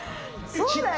そうだよ。